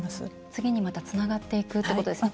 次にまたつながっていくということですね。